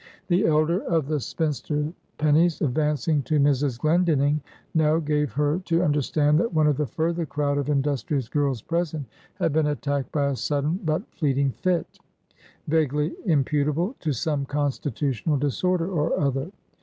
The elder of the spinster Pennies, advancing to Mrs. Glendinning, now gave her to understand, that one of the further crowd of industrious girls present, had been attacked by a sudden, but fleeting fit, vaguely imputable to some constitutional disorder or other.